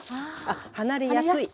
あっ離れやすい。